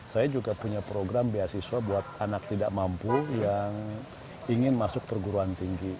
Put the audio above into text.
saya juga punya program beasiswa buat anak tidak mampu yang ingin masuk perguruan tinggi